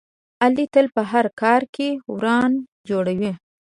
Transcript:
علي تل په هر کار کې ورانه جوړوي.